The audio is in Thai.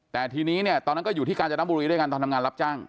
แต่ทีนี้เนี่ยตอนนั้นก็อยู่ที่กาญจนบุรีด้วยกันตอนทำงานรับจ้าง